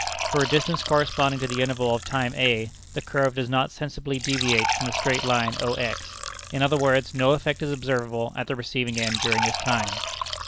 For a distance corresponding to the interval of time a, the curve does not sensibly deviate from the straight line O X; in other words, no effect is observable at the receiving end during this time.